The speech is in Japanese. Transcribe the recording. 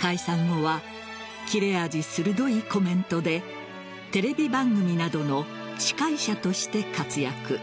解散後は、切れ味鋭いコメントでテレビ番組などの司会者として活躍。